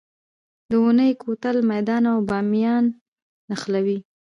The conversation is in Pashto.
د اونی کوتل میدان او بامیان نښلوي